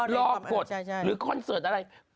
กฎหรือคอนเสิร์ตอะไร